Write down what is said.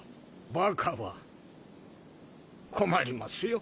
バカは困りますよ。